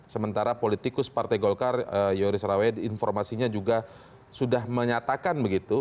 sementara politikus partai golkar yoris rawed informasinya juga sudah menyatakan begitu